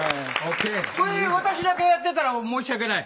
私だけやってたら申し訳ない。